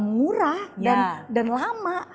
gak murah dan lama